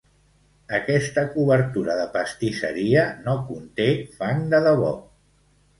Aquesta cobertura de pastisseria no conté fang de debò.